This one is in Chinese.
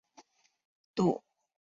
肚子又饿了